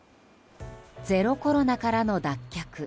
ゼロコロナからの脱却。